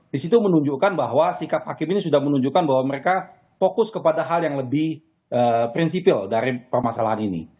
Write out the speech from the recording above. di situ menunjukkan bahwa sikap hakim ini sudah menunjukkan bahwa mereka fokus kepada hal yang lebih prinsipil dari permasalahan ini